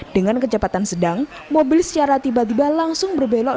dengan kecepatan sedang mobil secara tiba tiba langsung berbelok